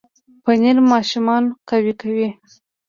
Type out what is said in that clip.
پنېر ماشومان قوي کوي.